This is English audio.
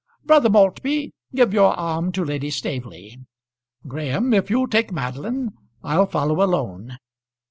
Brother Maltby, give your arm to Lady Staveley. Graham, if you'll take Madeline, I'll follow alone."